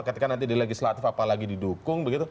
ketika nanti di legislatif apalagi didukung begitu